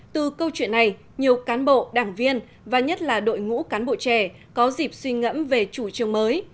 từ câu chuyện này nhiều cán bộ đảng viên và nhất là đội ngũ cán bộ trẻ có dịp suy ngẫm về chủ trương mới